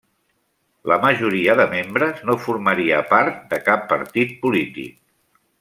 La majoria de membres no formaria part de cap partit polític.